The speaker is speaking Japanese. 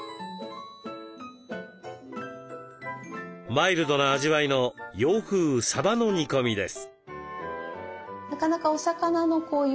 マイルドな味わいの洋風さばの煮込みです。